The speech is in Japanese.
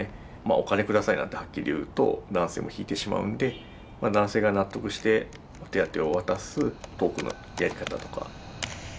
「お金下さい」なんてはっきり言うと男性も引いてしまうんで男性が納得してお手当を渡すトークのやり方とか。